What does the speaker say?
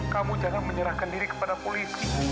kamu jangan menyerahkan diri kepada polisi